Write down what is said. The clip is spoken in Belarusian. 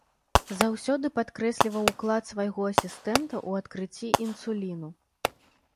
Заўсёды падкрэсліваў ўклад свайго асістэнта ў адкрыцці інсуліну.